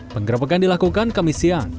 pengerebekan dilakukan komisian